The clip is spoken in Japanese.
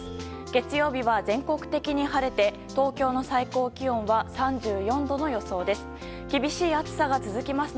月曜日は全国的に晴れて東京の最高気温は３４度の予想です。